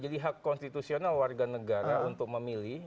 jadi hak konstitusional warga negara untuk memilih